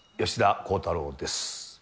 吉田鋼太郎です。